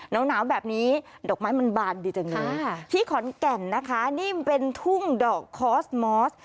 หนาวแบบนี้ดอกไม้มันบานดีจังเลยที่ขอนแก่นนะคะนี่มันเป็นทุ่งดอกคอสมอส